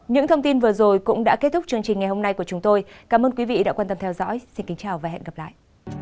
những thông tin vừa rồi cũng đã kết thúc chương trình ngày hôm nay của chúng tôi cảm ơn quý vị đã quan tâm theo dõi xin kính chào và hẹn gặp lại